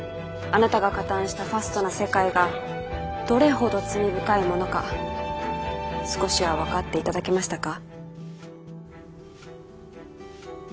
あなたが加担したファストな世界がどれほど罪深いものか少しは分かっていただけましたか？